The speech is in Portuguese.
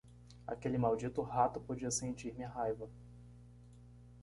Aquele maldito rato podia sentir minha raiva.